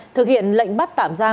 thực hiện lệnh bắt tạm gia